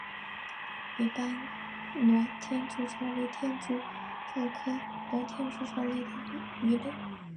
尾斑裸天竺鲷为天竺鲷科裸天竺鲷属的鱼类。